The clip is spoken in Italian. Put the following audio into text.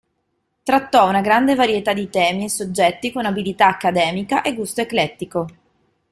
Trattò una grande varietà di temi e soggetti con abilità accademica e gusto eclettico.